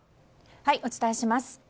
お伝えします。